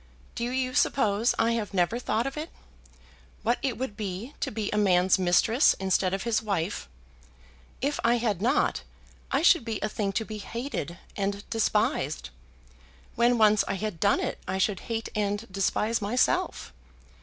Do you suppose I have never thought of it; what it would be to be a man's mistress instead of his wife. If I had not I should be a thing to be hated and despised. When once I had done it I should hate and despise myself.